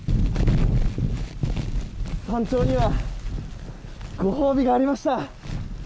山頂にはご褒美がありました。